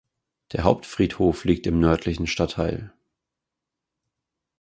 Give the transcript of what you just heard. Der Hauptfriedhof liegt im Nördlichen Stadtteil.